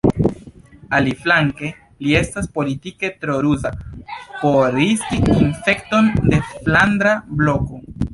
Aliflanke, li estas politike tro ruza por riski infekton de Flandra Bloko.